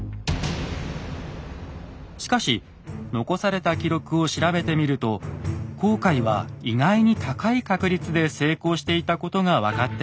しかし残された記録を調べてみると航海は意外に高い確率で成功していたことが分かってきました。